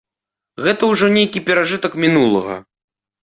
Гэта ўжо нейкі перажытак мінулага.